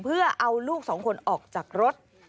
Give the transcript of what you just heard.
เพื่อเอาลูกสองคนออกจากรถ